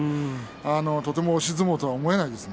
とても押し相撲とは思えないですね。